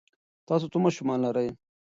تاسو څو ماشومان لرئ؟